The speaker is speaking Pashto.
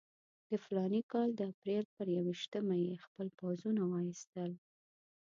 د فلاني کال د اپرېل پر یوویشتمه یې خپل پوځونه وایستل.